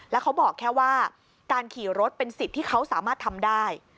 แล้วเขาบอกแค่ว่าการขี่รถเป็นสิทธิ์ที่เขาสามารถทำได้